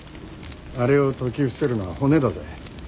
あれを説き伏せるのは骨だぜ。